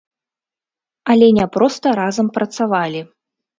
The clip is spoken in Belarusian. Але не проста разам працавалі.